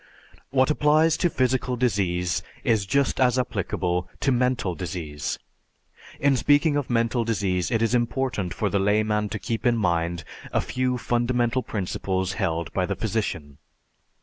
What applies to physical disease is just as applicable to mental disease. In speaking of mental disease, it is important for the layman to keep in mind a few fundamental principles held by the physician.